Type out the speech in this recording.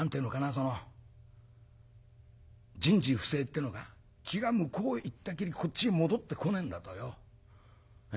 その人事不省ってのか気が向こうへ行ったきりこっちに戻ってこねえんだとよ。